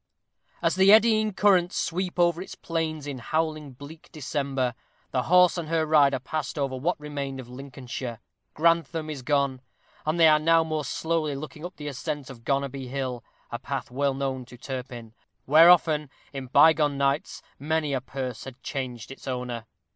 _ As the eddying currents sweep over its plains in howling, bleak December, the horse and her rider passed over what remained of Lincolnshire. Grantham is gone, and they are now more slowly looking up the ascent of Gonerby Hill, a path well known to Turpin; where often, in bygone nights, many a purse had changed its owner.